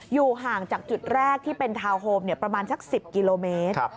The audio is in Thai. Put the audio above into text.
อยู่ห่างจากจุดแรกที่เป็นทาวน์โฮมประมาณสัก๑๐กิโลเมตร